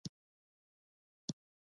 که له اور لګېدنې وروسته زده کوونکي.